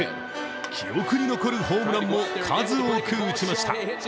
記憶に残るホームランも数多く打ちました。